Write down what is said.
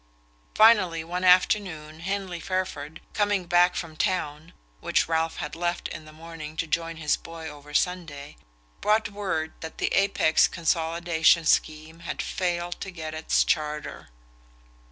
Finally one afternoon Henley Fairford, coming back from town (which Ralph had left in the morning to join his boy over Sunday), brought word that the Apex consolidation scheme had failed to get its charter.